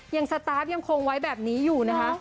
สตาร์ฟยังคงไว้แบบนี้อยู่นะคะ